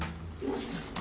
すいません。